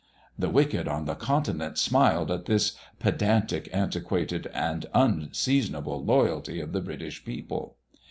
The Wicked on the continent smiled at this 'pedantic, antiquated, and unseasonable loyalty of the British people.'